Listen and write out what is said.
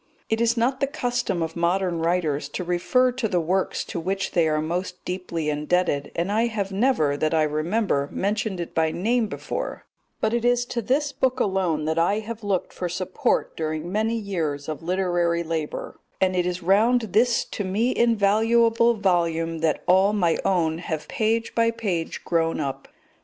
It is not the custom of modern writers to refer to the works to which they are most deeply indebted, and I have never, that I remember, mentioned it by name before; but it is to this book alone that I have looked for support during many years of literary labour, and it is round this to me invaluable volume that all my own have page by page grown up.